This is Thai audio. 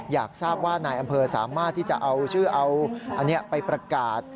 อยากทราบว่านายอำเภอสามารถที่จะเอาชื่อเอาอันนี้ไปประกาศ